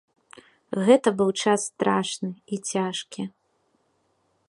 Гэта быў час страшны і цяжкі.